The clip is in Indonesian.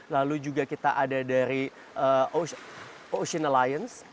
lalu juga kita ada dari ocean aliance